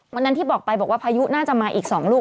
วันนั้นที่บอกไปบอกว่าพายุน่าจะมาอีก๒ลูก